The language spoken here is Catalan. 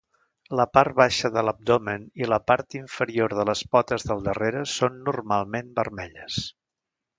La part baixa de l'abdomen i la part inferior de les potes del darrere són normalment vermelles.